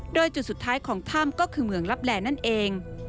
โดยจุดสุดท้ายของถ้ำก็คือเมืองลับแลนั่นเอง